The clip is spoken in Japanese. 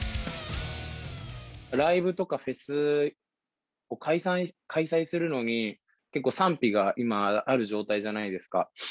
ライブとか、フェスを開催するのに結構、賛否が今、ある状態じゃないですか。